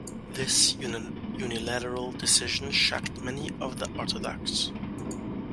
This unilateral decision shocked many of the Orthodox.